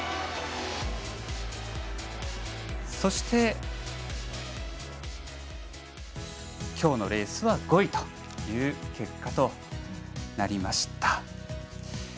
そして、今日のレースは５位という結果となりました。